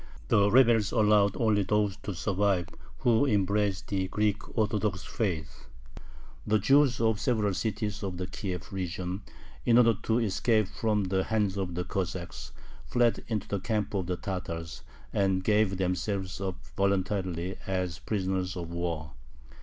The rebels allowed only those to survive who embraced the Greek Orthodox faith. The Jews of several cities of the Kiev region, in order to escape from the hands of the Cossacks, fled into the camp of the Tatars, and gave themselves up voluntarily as prisoners of war.